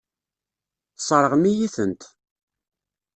Tesseṛɣem-iyi-tent.